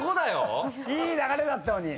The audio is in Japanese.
いい流れだったのに。